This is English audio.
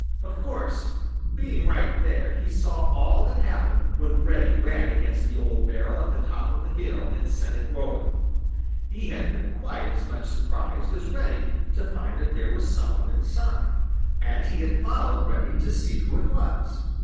Of course, being right there, he saw all that happened when Reddy ran against the old barrel at the top of the hill and sent it rolling. He had been quite as much surprised as Reddy to find that there was some one inside, and he had followed Reddy to see who it was.